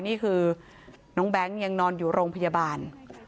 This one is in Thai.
นี่คือน้องแบงค์ยังนอนอยู่โรงพยาบาล